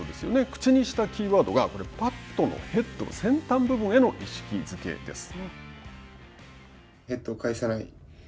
口にしたキーワードが、バットのヘッド先端部分への意識づけです。